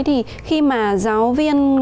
thì khi mà giáo viên